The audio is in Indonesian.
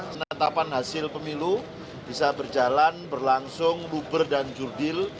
menetapkan hasil pemilu bisa berjalan berlangsung luber dan judil